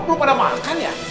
belum pada makan ya